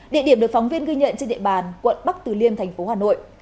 địa điểm được phóng viên ghi nhận trên địa bàn quận bắc từ liêm thành phố hà nội